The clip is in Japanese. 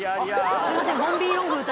すいませんあっ